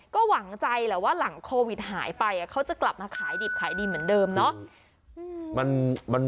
ก็หวังใจแหละว่าหลังโควิดหายไปเขาจะกลับมาขายดิบขายดีเหมือนเดิมเนาะ